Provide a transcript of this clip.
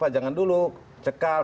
jangan dulu cekal